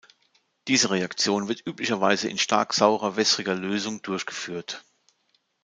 Diese Reaktion wird üblicherweise in stark saurer wässriger Lösung durchgeführt.